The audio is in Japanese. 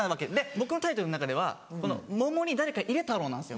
僕のタイトルの中では『桃に誰か入れ太郎』なんですよ。